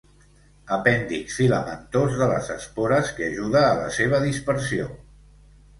Apèndix filamentós de les espores que ajuda a la seva dispersió.